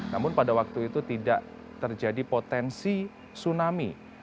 namun pada waktu itu tidak terjadi potensi tsunami